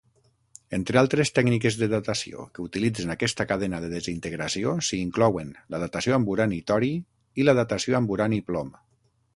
Entre altres tècniques de datació que utilitzen aquesta cadena de desintegració s'hi inclouen la datació amb urani-tori i la datació amb urani-plom.